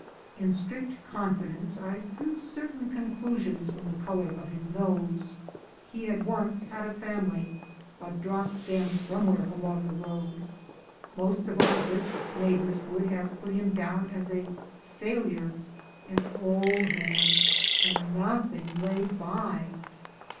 In strict confidence, I drew certain conclusions from the colour of his nose! He had once had a family, but dropped them somewhere along the road. Most of our brisk neighbours would have put him down as a failure an old man, and nothing laid by!